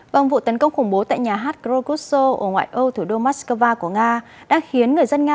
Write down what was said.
vòng vụ tấn công khủng bố tại nhà hát kroguso ở ngoại ô thủ đô moscow của nga đã khiến người dân nga